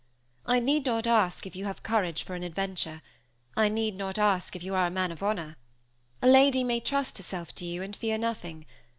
I need not ask if you have courage for an adventure. I need not ask if you are a man of honor. A lady may trust herself to you, and fear nothing.